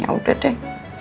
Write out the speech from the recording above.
ya udah deh